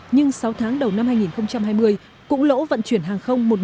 nhưng sáu tháng đầu năm hai nghìn hai mươi cũng lỗ vận chuyển hàng không một bốn trăm bốn mươi tỷ đồng